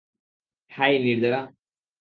High, নির্জারা।